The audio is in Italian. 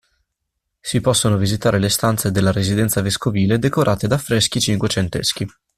Si possono visitare le stanze della residenza vescovile decorate da affreschi cinquecenteschi.